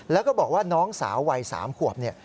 แล้วก็บอกว่าน้องสาววัย๓ขวบเนี่ย